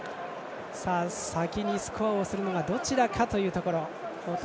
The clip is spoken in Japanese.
さあ、先にスコアするのはどちらかというところ。